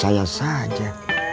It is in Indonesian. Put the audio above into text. eh apa apa saja